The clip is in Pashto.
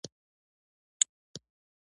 د ملي وحدت حکومت تفاهمنامه د اعتبار قتل بولم.